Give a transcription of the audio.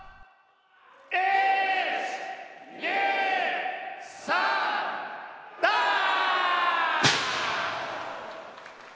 １、２、３、ダーッ！